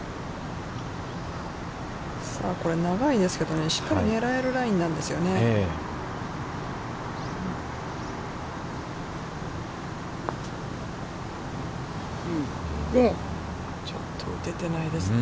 これ長いですけれども、しっかり狙えるラインなんですよね。